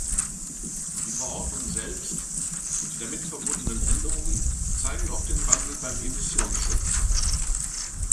Die Verordnung selbst, und die damit verbundenen Änderungen, zeigen auch den Wandel beim Immissionsschutz.